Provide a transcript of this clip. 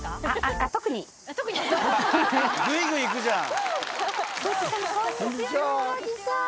グイグイ行くじゃん。